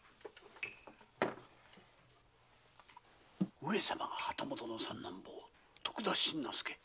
上様が旗本の三男坊徳田新之助。